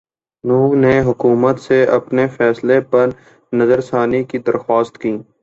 نہوں نے حکومت سے اپنے فیصلے پرنظرثانی کی درخواست کی